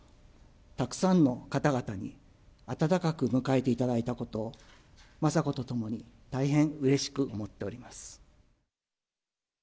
たくさんの方々に温かく迎えていただいたことを、雅子と共に大変うれしく思っております。